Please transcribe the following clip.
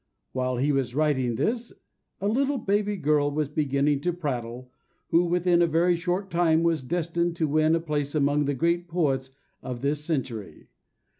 While he was writing this, a little baby girl was beginning to prattle, who within a very short time was destined to win a place among the great poets of this century.